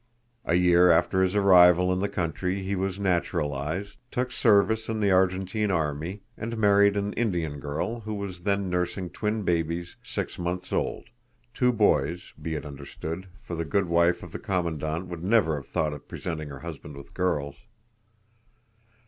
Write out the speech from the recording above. A year after his arrival in the country he was naturalized, took service in the Argentine army, and married an Indian girl, who was then nursing twin babies six months old two boys, be it understood, for the good wife of the Commandant would have never thought of presenting her husband with girls.